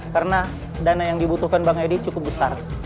karena dana yang dibutuhkan bang edi cukup besar